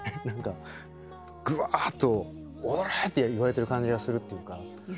何かぐわっとオーライ！って言われてる感じがするっていうか。